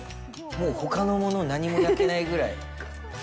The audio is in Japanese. もう、ほかのもの何も焼けないぐらい。